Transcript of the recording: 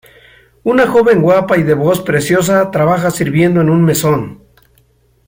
Una joven guapa y de una voz preciosa trabaja sirviendo en un mesón.